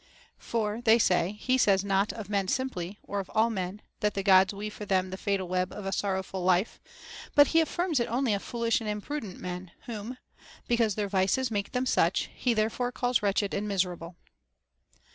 t For, they say, he says not of men simply, or of all men, that the Gods weave for them the fatal web of a sorrowful life ; but he affirms it only of foolish and imprudent men, whom, because their vices make them such, he therefore calls wretched and miserable.